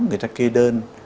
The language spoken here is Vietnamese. người ta kê đơn